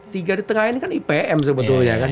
tiga di tengah ini kan ipm sebetulnya kan